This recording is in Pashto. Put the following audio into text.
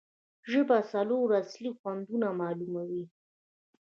ژبه څلور اصلي خوندونه معلوموي.